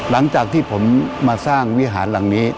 หลังจากที่ผมมาสร้างวิหารหลังนี้